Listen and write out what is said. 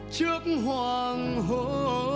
trước hoàng hôn